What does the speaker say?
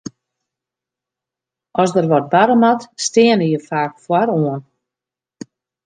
As der wat barre moat, steane je faak foaroan.